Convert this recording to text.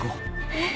えっ？